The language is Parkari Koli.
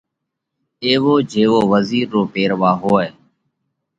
ايوو جيوو وزِير رو پيروا هوئه۔